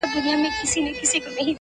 • نه به تر لاندي تش کړو جامونه ,